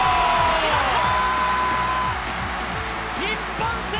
決まった！